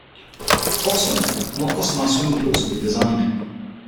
Also new, more customized swimming pools can be designed.